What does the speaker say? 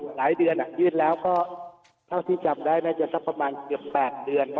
หลายเดือนยื่นแล้วเท่าที่จำได้เเตรียมแบบ๑๐เดือน